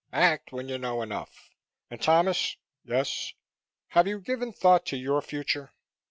Act when you know enough. And, Thomas " "Yes?" "Have you given thought to your future?"